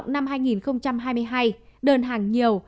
năm hai nghìn hai mươi hai đơn hàng nhiều